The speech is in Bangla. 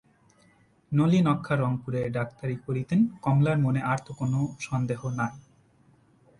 নলিনাক্ষ–রঙপুরে ডাক্তারি করিতেন–কমলার মনে আর তো কোনো সন্দেহ নাই।